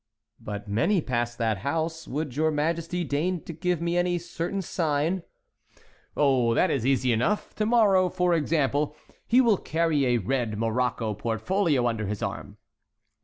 "But many pass that house. Would your Majesty deign to give me any certain sign?" "Oh, that is easy enough; to morrow, for example, he will carry a red morocco portfolio under his arm."